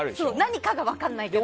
何かは分からないけど。